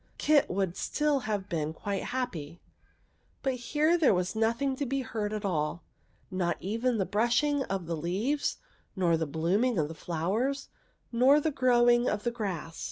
Kit would still have been quite happy; but here there was nothing to be heard at all, not even the brushing of the leaves, nor the blooming of the flowers, nor the growing of the grass.